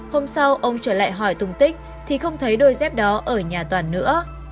hôm sau ông trở lại hỏi tùng tích thì không thấy đôi dép đó ở nhà toàn nữa